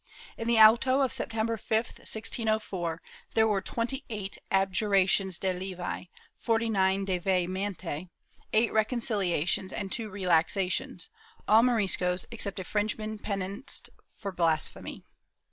In the auto of September 5, 1604, there were twenty eight abjura tions de levi, forty nine de vehementi, eight reconciliations and two relaxations — all Moriscos, except a Frenchman penanced for blasphemy.